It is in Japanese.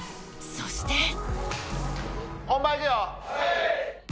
［そして］